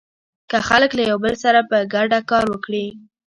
که خلک له يو بل سره په ګډه کار وکړي.